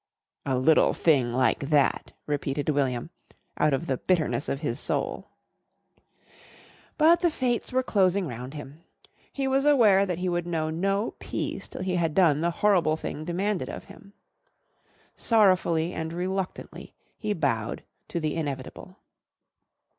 "A little thing like that!" repeated William out of the bitterness of his soul. But the Fates were closing round him. He was aware that he would know no peace till he had done the horrible thing demanded of him. Sorrowfully and reluctantly he bowed to the inevitable.